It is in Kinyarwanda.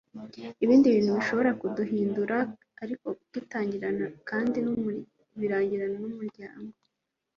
ibindi bintu bishobora kuduhindura, ariko dutangira kandi birangirana n'umuryango. - anthony brandt